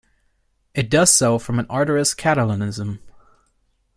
It does so from an ardourous Catalanism.